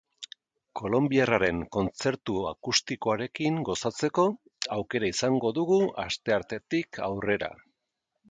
Kolonbiarraren kontzertu akustikoarekin gozatzeko aukera izango dugu asteartetik aurrera.